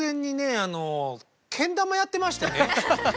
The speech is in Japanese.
あのけん玉やってましてね。